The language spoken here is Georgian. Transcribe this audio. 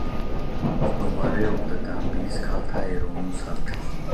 თავჯდომარეობდა გამბიის ქალთა ეროვნულ საბჭოს.